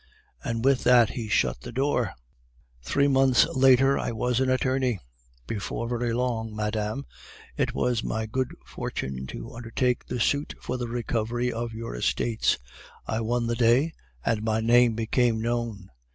"And with that he shut the door. "Three months later I was an attorney. Before very long, madame, it was my good fortune to undertake the suit for the recovery of your estates. I won the day, and my name became known.